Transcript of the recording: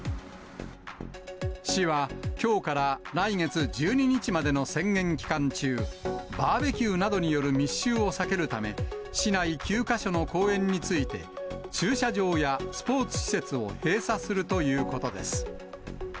市はきょうから来月１２日までの宣言期間中、バーベキューなどによる密集を避けるため、市内９か所の公園について、駐車場やスポーツ施設を閉鎖するということです。